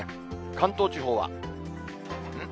関東地方は、ん？